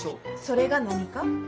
それが何か？